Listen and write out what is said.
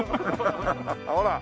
ほら。